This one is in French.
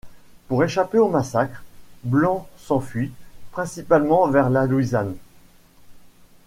Pour échapper au massacre, blancs s'enfuient, principalement vers la Louisiane.